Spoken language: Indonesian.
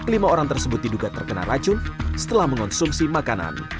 kelima orang tersebut diduga terkena racun setelah mengonsumsi makanan